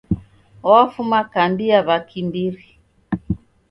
Wafuma kambi ya w'akimbiri.